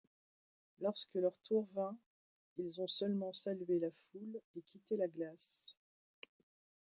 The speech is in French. Lorsque leur tour vint, ils ont seulement salué la foule et quitté la glace.